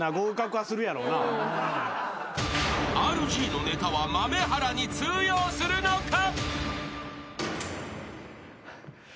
［ＲＧのネタは豆原に通用するのか？］ＯＫ。